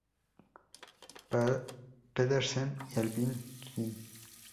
Pedersen y Alvin Queen.